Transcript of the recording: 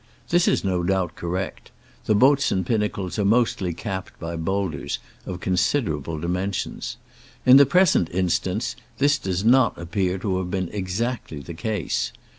This is no doubt correct : the Botzen pinnacles are mostly capped by boulders of considerable dimensions. In the present instance this does not appear to have been exactly the case.